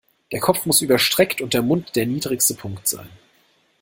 Der Kopf muss überstreckt und der Mund der niedrigste Punkt sein.